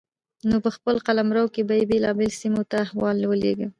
نو په خپل قلمرو کې به يې بېلابېلو سيمو ته احوال ولېږه